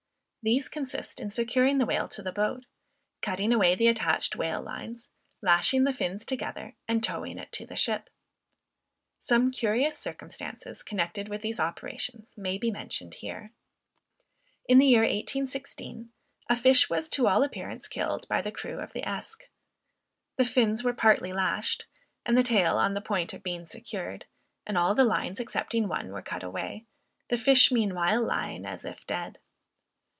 These consist in securing the whale to the boat, cutting away the attached whale lines, lashing the fins together, and towing it to the ship. Some curious circumstances connected with these operations may be mentioned here. In the year 1816, a fish was to all appearance killed by the crew of the Esk. The fins were partly lashed, and the tail on the point of being secured, and all the lines excepting one, were cut away, the fish meanwhile lying as if dead.